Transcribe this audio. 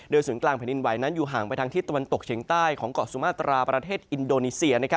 ศูนย์กลางแผ่นดินไหวนั้นอยู่ห่างไปทางที่ตะวันตกเฉียงใต้ของเกาะสุมาตราประเทศอินโดนีเซีย